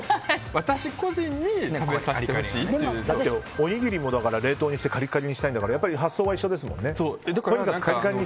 私個人におにぎりも冷凍にしてカリカリにしたいんだから発想は一緒ですもんね。